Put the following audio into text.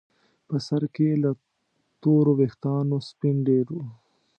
په سر کې یې له تورو ویښتانو سپین ډیر وو.